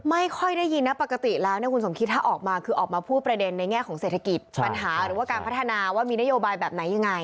ไม่ค่อยได้ยินนะปกติแล้วเนี่ยคุณสมคิดถ้าออกมาคือออกมาพูดประเด็นในแง่ของเศรษฐกิจปัญหาหรือว่าการพัฒนาว่ามีนโยบายแบบไหนยังไง